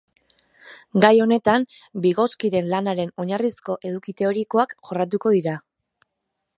Gai honetan, Vigotskiren lanaren oinarrizko eduki teorikoak jorratuko dira.